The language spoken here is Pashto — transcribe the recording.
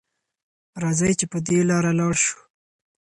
راځئ چې په دې لاره لاړ شو.